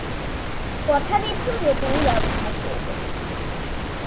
কথা দিচ্ছ যে তুমি ব্যাবস্থা করবে।